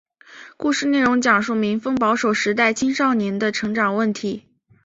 故事内容讲述民风保守时代青少年的成长问题。